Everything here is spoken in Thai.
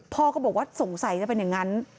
พ่อก็บอกว่าสงสัยจะเป็นอย่างนั้น